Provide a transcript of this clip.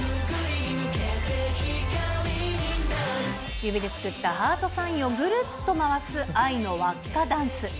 指で作ったハートサインをぐるっと回す愛の輪っかダンス。